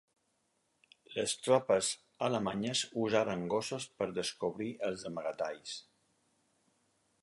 Les tropes alemanyes usaren gossos per descobrir els amagatalls.